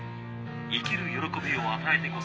生きる喜びを与えてこそ。